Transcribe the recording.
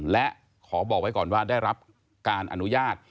และขอบอกไว้ก่อนว่าได้รับการอนุญาต